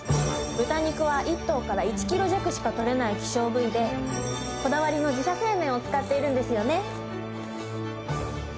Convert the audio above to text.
豚肉は一頭から１キロ弱しか取れない希少部位でこだわりの自社製麺を使っているんですよね。